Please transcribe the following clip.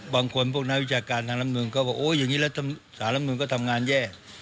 บางคนพวกนาวิชาการทางรัฐเมืองก็บอกโอ้ยอย่างนี้แล้วสารรัฐเมืองก็ทำงานแย่